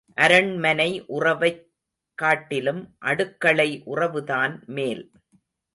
அரண்மனை உறவைக் காட்டிலும் அடுக்களை உறவுதான் மேல்.